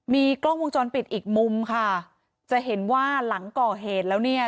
มีกล้องวงจรปิดอีกมุมค่ะจะเห็นว่าหลังก่อเหตุแล้วเนี่ย